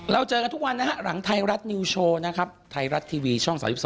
แล้วเจอกันทุกวันหลังไทรัตนิวโชว์ไทรัตทีวีช่อง๓๒